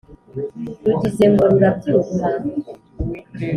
rugize ngo rurabyuka,